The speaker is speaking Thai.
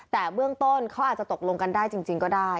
แต่เบื้องต้นเขาอาจจะตกลงกันได้จริงก็ได้